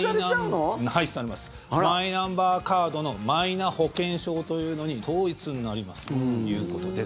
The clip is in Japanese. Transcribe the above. マイナンバーカードのマイナ保険証というのに統一になりますということです。